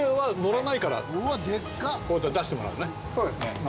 そうですね。